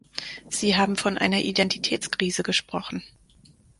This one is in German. Sie haben von einer Identitätskrise gesprochen.